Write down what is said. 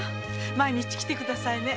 毎日来て下さいね。